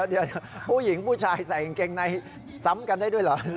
เดี๋ยวผู้หญิงผู้ชายใส่กางเกงในซ้ำกันได้ด้วยเหรอ